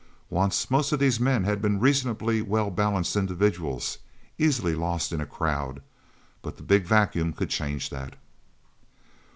Once, most of these men had been reasonably well balanced individuals, easily lost in a crowd. But the Big Vacuum could change that.